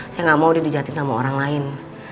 saya gak mau dia di jahatin sama orang lain